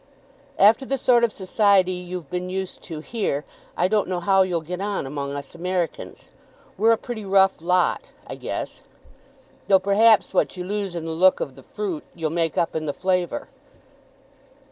"After the sort of society you've been used to here, I don't know how you'll get on among us Americans. We're a pretty rough lot, I guess. Though, perhaps, what you lose in the look of the fruit, you'll make up in the flavour."